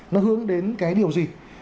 nó hướng đến cái điều gì